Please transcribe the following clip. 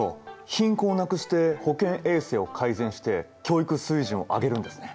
貧困をなくして保健衛生を改善して教育水準を上げるんですね。